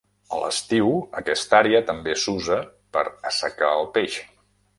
A l'estiu, aquesta àrea també s'usa per assecar el peix.